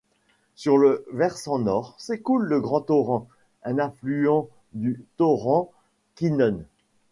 Sur le versant nord, s'écoule le grand torrent, un affluent du torrent Kinone.